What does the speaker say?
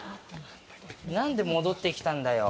何で戻って来たんだよ？